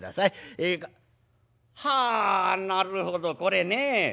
えはあなるほどこれね。